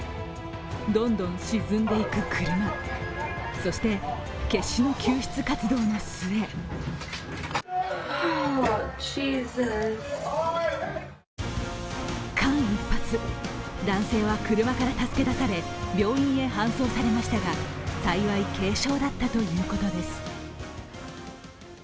どんどん沈んでいく車そして、決死の救出活動の末間一髪、男性は車から助け出され病院へ搬送されましたが幸い軽症だったということです。